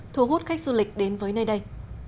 thu hút khách du lịch đến với nơi đây